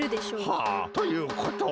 はあということは。